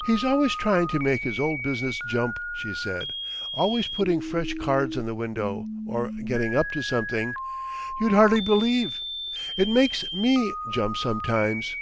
"He's always trying to make his old business jump," she said. "Always putting fresh cards in the window, or getting up to something. You'd hardly believe. It makes ME jump sometimes."